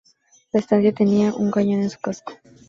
La estancia tenía un cañón en su casco.